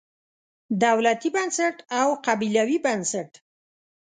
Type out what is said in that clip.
دولتي بنسټ او قبیلوي بنسټ.